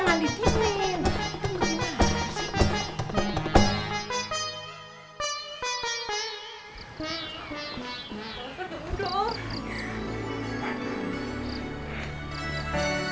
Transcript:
gak bisa duduk duduk